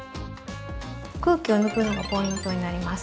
空気を抜くのがポイントになります。